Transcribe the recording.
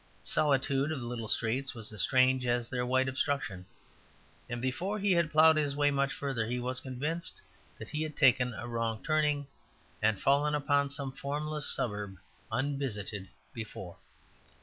The solitude of the little streets was as strange as their white obstruction, and before he had ploughed his way much further he was convinced that he had taken a wrong turning, and fallen upon some formless suburb unvisited before.